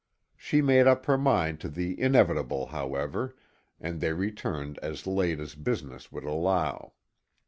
She made up her mind to the inevitable, however, and they returned as late as business would allow.